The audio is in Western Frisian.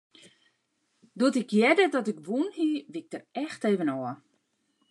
Doe't ik hearde dat ik wûn hie, wie ik der echt even ôf.